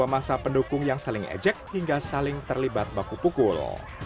dua masa pendukung yang saling ejek hingga saling terlibat baku pukul